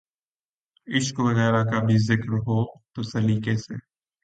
عشق وغیرہ کا بھی ذکر ہو تو سلیقے سے۔